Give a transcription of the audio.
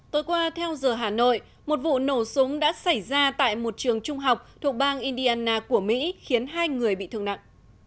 tối qua theo giờ hà nội một vụ nổ súng đã xảy ra tại một trường trung học thuộc bang indiana của mỹ khiến hai người bị thương nặng